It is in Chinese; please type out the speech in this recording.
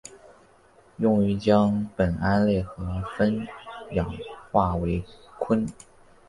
用于将苯胺类和酚氧化为醌。